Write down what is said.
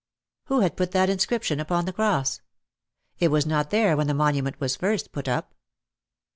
Who had put that inscription upon the cross ? It was not there when the monument was first put up.